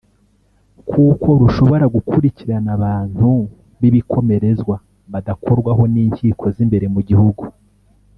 kuko rushobora gukurikirana abantu b’ibikomerezwa badakorwaho n’inkiko z’imbere mu gihugu